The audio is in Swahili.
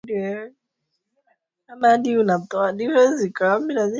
Ugonjwa wa kichaa cha mbwa unashambulia pia binadamu